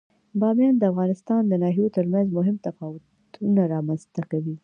بامیان د افغانستان د ناحیو ترمنځ مهم تفاوتونه رامنځ ته کوي.